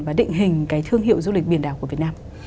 và định hình cái thương hiệu du lịch biển đảo của việt nam